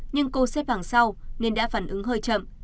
nhưng cô xếp vàng sau nên đã phản ứng hơi chậm